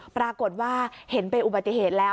ปรากฏว่าเห็นเป็นอุบัติเหตุแล้ว